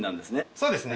そうですね。